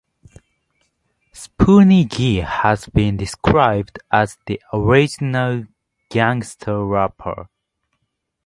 Spoonie Gee has been described as "the original gangster rapper".